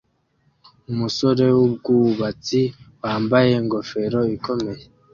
Umusore wubwubatsi wambaye ingofero ikomeye